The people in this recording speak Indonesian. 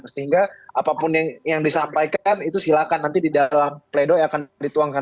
sehingga apapun yang disampaikan itu silakan nanti di dalam pledoi akan dituangkan